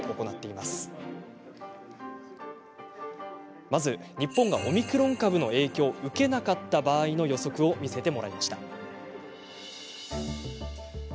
まず日本がオミクロン株の影響を受けなかった場合の予測を見せてもらいました。